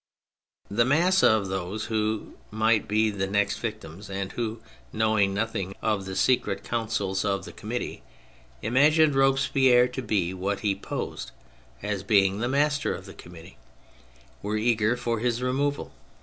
The mass of those who might be the next victims and who, knowing nothing of the secret councils of the Committee, imagined Robespierre to be what he posed as being, the master of the Committee, were eager for his removal.